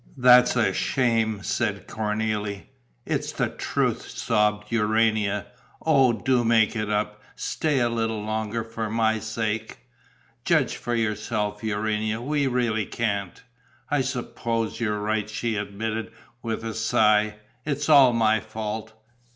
"That's a shame!" said Cornélie. "It's the truth!" sobbed Urania. "Oh, do make it up, stay a little longer, for my sake!..." "Judge for yourself, Urania: we really can't." "I suppose you're right," she admitted, with a sigh. "It's all my fault."